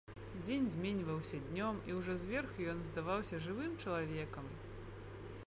Дзень зменьваўся днём, і ўжо зверху ён здаваўся жывым чалавекам.